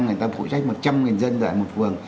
người ta phụ trách một trăm linh dân tại một vườn